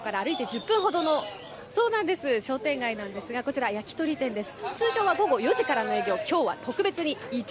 慶応高校から歩いて１０分ほどの商店街なんですがこちら、焼き鳥店です。